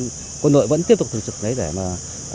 công an quân đội vẫn tiếp tục thực trực đấy để xử lý